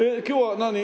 今日は何？